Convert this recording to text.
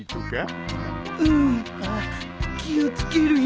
うん気を付けるよ。